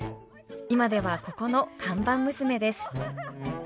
今ではここの看板娘です。